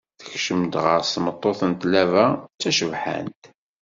Tekcem-d ɣer-s tmeṭṭut s tlaba d tacebḥant